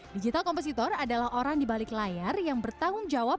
digital kompetitor adalah orang di balik layar yang bertanggung jawab